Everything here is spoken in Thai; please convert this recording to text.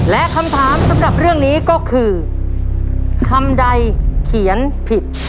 และคำถามสำหรับเรื่องนี้ก็คือคำใดเขียนผิด